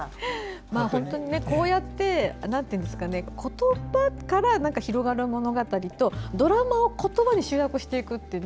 本当にこうやって言葉から広がる物語とドラマを言葉に集約していくという。